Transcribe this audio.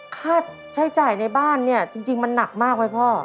ค่าใช้จ่ายในบ้านเนี่ยจริงมันหนักมากไหมพ่อ